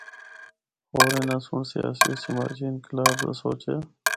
ہور اناں سنڑ سیاسی و سماجی انقلاب دا سوچیا۔